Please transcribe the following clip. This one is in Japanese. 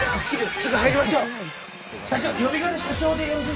すぐ入りましょう！